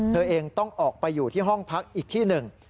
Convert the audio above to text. เธอเองต้องออกไปอยู่ที่ห้องพักอีกที่หนึ่ง